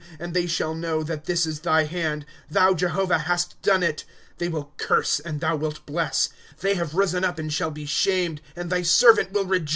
" And they shall know that this is thy hand ; Thou, Jehovah, hast done it. 28 They will, curse, and thou wilt bless ; They have risen up, and shall be shamed, and thy servant will rejoice.